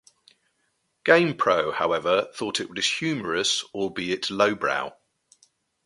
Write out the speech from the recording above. "GamePro", however, thought it was humorous albeit lowbrow.